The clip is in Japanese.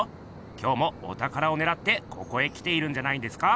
今日もおたからをねらってここへ来ているんじゃないんですか。